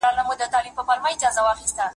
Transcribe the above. کله چې ته راغلی نه يې تر هغو یم زه ناست